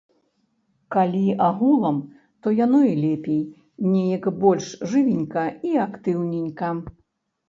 Калі агулам, то яно і лепей, неяк больш жывенька і актыўненька.